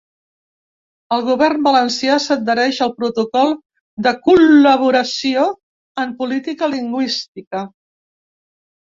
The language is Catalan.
El govern valencià s’adhereix al protocol de col·laboració en política lingüística.